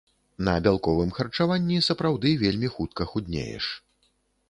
На бялковым харчаванні сапраўды вельмі хутка худнееш.